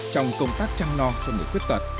trong công tác trăng non cho người khuyết tật